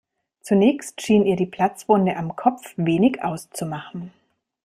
Zunächst schien ihr die Platzwunde am Kopf wenig auszumachen.